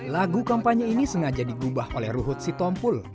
lagu kampanye ini sengaja digubah oleh ruhut sitompul